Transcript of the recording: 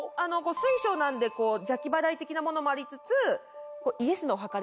水晶なんで邪気払い的なものもありつつ。